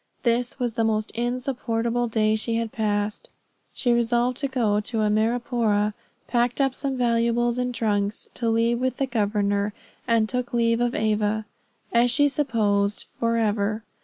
This was the most insupportable day she had passed. She resolved to go to Amarapoora; packed up some valuables in trunks to leave with the governor; and took leave of Ava, as she supposed, forever.